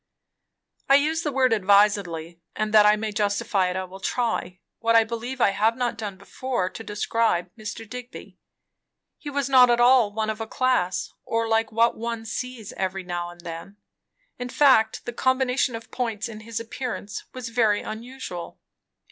I use the word advisedly, and that I may justify it I will try, what I believe I have not done before, to describe Mr. Digby. He was not at all one of a class, or like what one sees every now and then; in fact the combination of points in his appearance was very unusual.